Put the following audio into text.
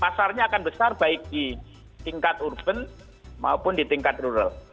pasarnya akan besar baik di tingkat urban maupun di tingkat rural